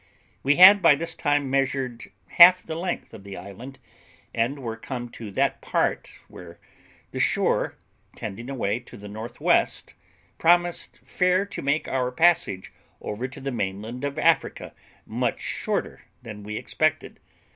We had by this time measured half the length of the island, and were come to that part where the shore tending away to the north west, promised fair to make our passage over to the mainland of Africa much shorter than we expected.